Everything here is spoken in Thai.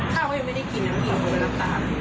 ข้าวเขายังไม่ได้กินน้ำหิงก็ไปรับตา